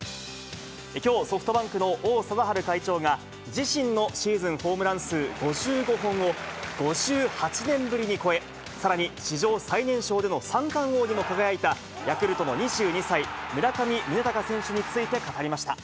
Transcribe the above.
きょう、ソフトバンクの王貞治会長が、自身のシーズンホームラン数５５本を、５８年ぶりに超え、さらに史上最年少での三冠王にも輝いた、ヤクルトの２２歳、村上宗隆選手について語りました。